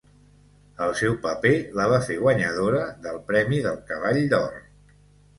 El seu paper la va fer guanyadora del premi del Cavall d'Or.